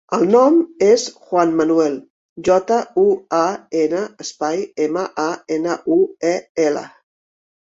El nom és Juan manuel: jota, u, a, ena, espai, ema, a, ena, u, e, ela.